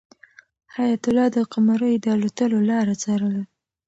حیات الله د قمرۍ د الوتلو لاره څارله.